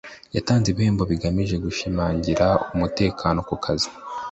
Yatanze ibihembo bigamije gushimangira umutekano ku kazi,